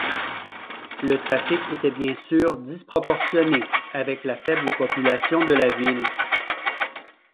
Le trafic était bien sûr disproportionné avec la faible population de la ville.